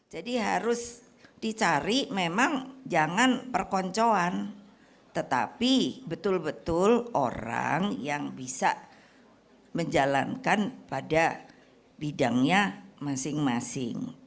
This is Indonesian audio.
jadi harus dicari memang jangan perkoncoan tetapi betul betul orang yang bisa menjalankan pada bidangnya masing masing